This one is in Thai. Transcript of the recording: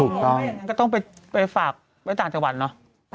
ไม่อย่างนั้นก็ต้องไปฝากไว้ต่างจังหวัดเนอะ